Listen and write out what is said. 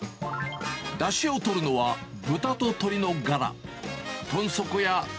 だしをとるのは豚と鶏のガラ。